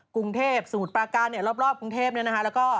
กรุงเทพสมุทรปลาการรอบกรุงเทพแล้วก็